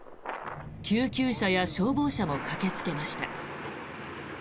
救急車や消防車も駆けつけました。